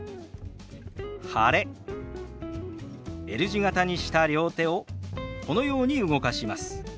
Ｌ字形にした両手をこのように動かします。